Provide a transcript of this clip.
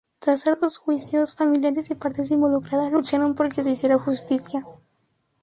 Tras arduos juicios, familiares y partes involucradas lucharon porque se hiciera justicia.